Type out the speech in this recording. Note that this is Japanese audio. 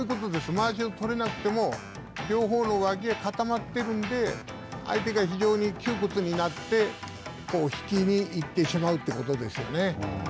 まわしをとれなくても両方のわきが固まっているんで相手が非常に窮屈になって引きに行ってしまうということですよね。